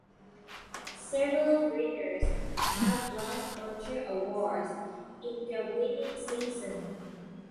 Several winners have won other awards in their winning season.